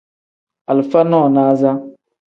Alifa nonaza.